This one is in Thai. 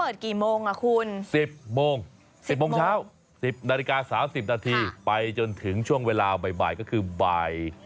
กี่โมงอ่ะคุณ๑๐โมง๑๐โมงเช้า๑๐นาฬิกา๓๐นาทีไปจนถึงช่วงเวลาบ่ายก็คือบ่าย